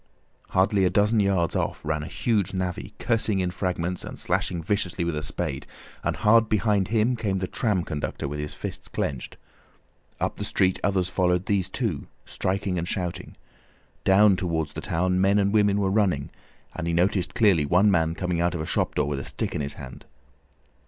Hardly a dozen yards off ran a huge navvy, cursing in fragments and slashing viciously with a spade, and hard behind him came the tram conductor with his fists clenched. Up the street others followed these two, striking and shouting. Down towards the town, men and women were running, and he noticed clearly one man coming out of a shop door with a stick in his hand.